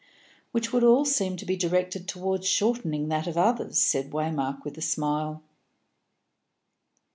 "Which would all seem to be directed towards shortening that of others," said Waymark, with a smile.